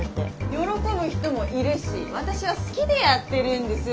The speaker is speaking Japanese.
喜ぶ人もいるし私は好きでやってるんです。